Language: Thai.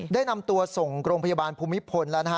ได้นำตัวส่งโรงพยาบาลภูมิพลแล้วนะฮะ